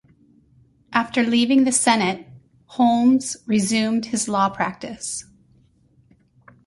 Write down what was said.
After leaving the Senate, Holmes resumed his law practice.